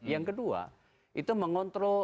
yang kedua itu mengontrol